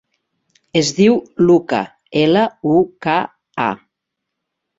Es diu Luka: ela, u, ca, a.